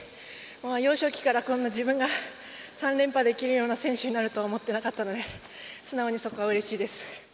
幼少期から自分が３連覇できるような選手になるとは思ってなかったので素直にそこはうれしいです。